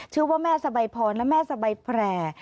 ชื่อว่าแม่สบายพรและแม่สบายแพร่